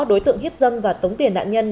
đối tượng hiếp dâm và tống tiền nạn nhân